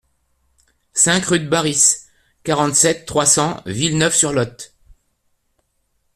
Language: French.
cinq rue de Barris, quarante-sept, trois cents, Villeneuve-sur-Lot